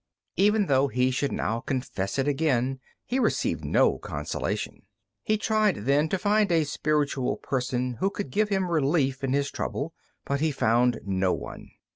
Even though he should now confess it again, he received no consolation. He tried then to find a spiritual person, who could give him relief in his trouble, but he found no one.